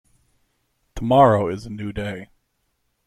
Tomorrow is a new day.